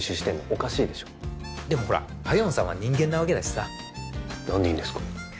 おかしいでしょでもほら夏英さんは人間なわけだしさ何でいんですか？